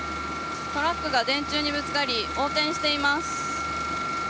トラックが電柱にぶつかり横転しています。